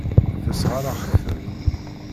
Tessṛeɣ-ak-ten.